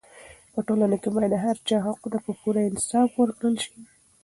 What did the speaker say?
په ټولنه کې باید د هر چا حقونه په پوره انصاف ورکړل سي.